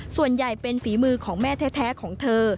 ส่วนใหญ่เป็นฝีมือของแม่แท้ของเธอ